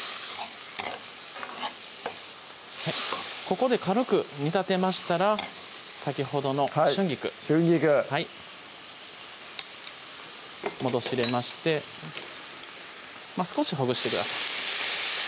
ここで軽く煮立てましたら先ほどの春菊春菊はい戻し入れまして少しほぐしてください